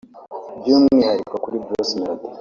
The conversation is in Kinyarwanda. By’umwihariko kuri Bruce Melody